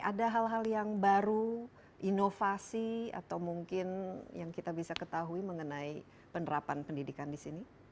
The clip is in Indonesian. ada hal hal yang baru inovasi atau mungkin yang kita bisa ketahui mengenai penerapan pendidikan di sini